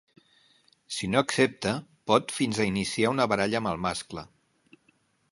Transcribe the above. Si no accepta, pot fins a iniciar una baralla amb el mascle.